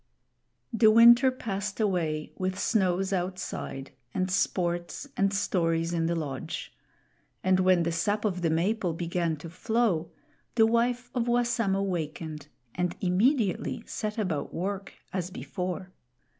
The winter passed away with snows outside, and sports and stories in the lodge; and when the sap of the maple began to flow, the wife of Wassamo wakened and immediately set about work as before.